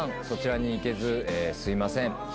そちらに行けずすいません。